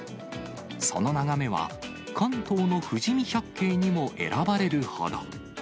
その眺めは、関東の富士見百景にも選ばれるほど。